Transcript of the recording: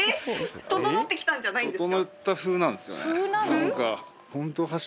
ととのってきたんじゃないんですか？